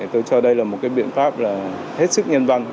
tôi cho đây là một cái biện pháp là hết sức nhân văn